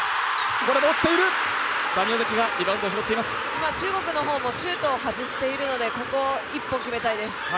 今中国の方もシュートを外しているので、ここは一本決めたいですね